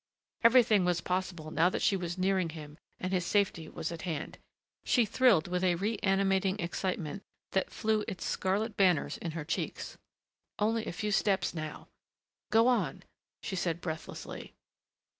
Everything was possible now that she was nearing him and his safety was at hand. She thrilled with a reanimating excitement that flew its scarlet banners in her cheeks ... Only a few steps now.... "Go on," she said breathlessly.